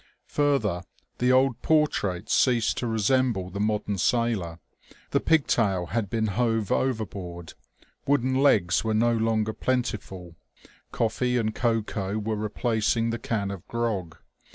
Further, the old portraits ceased to resemble the modem sailor. The pigtail had been hove overboard ; wooden legs were no longer plentiful ; coflfee and cocoa were replacing the can of grog.